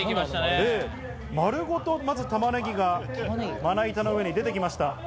丸ごと、まず玉ねぎがまな板の上に出てきました。